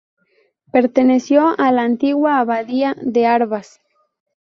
Perteneció a la antigua Abadía de Arbas.